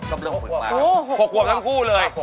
๖ระเบียบทั้งคู่เลย